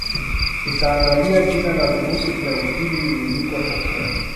tutaangalia jina la virusi vya ukimwi liliko tokea